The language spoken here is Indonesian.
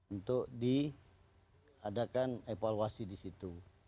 untuk diadakan evaluasi di situ